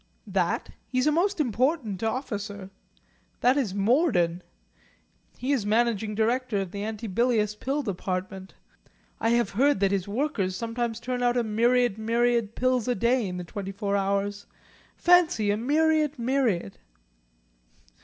"That? He's a most important officer. That is Morden. He is managing director of the Antibilious Pill Department. I have heard that his workers sometimes turn out a myriad myriad pills a day in the twenty four hours. Fancy a myriad myriad!"